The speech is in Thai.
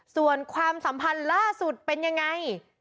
ส่วนความสัมพันธ์ล่าสุดเป็นยังไง